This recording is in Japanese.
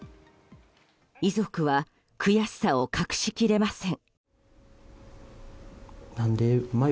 遺族は悔しさを隠し切れません。